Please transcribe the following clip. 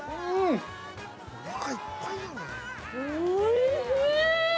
◆おいしい。